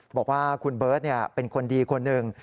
บอกว่าคุณเบิร์ตเป็นคนดีคนหนึ่ง